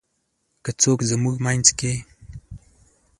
که څوک زمونږ مينځ کې :